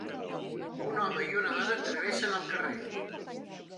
Un home i una dona travessen el carrer.